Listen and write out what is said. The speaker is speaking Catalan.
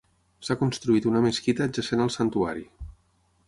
S'ha construït una mesquita adjacent al santuari.